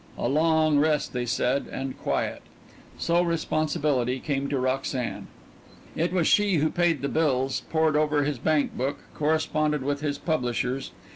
A long rest, they said, and quiet. So responsibility came to Roxanne. It was she who paid the bills, pored over his bank book, corresponded with his publishers.